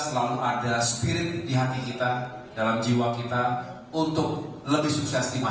selalu ada spirit di hati kita dalam jiwa kita untuk lebih sukses di masyarakat